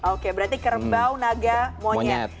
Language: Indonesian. oke berarti kerbau naga monyet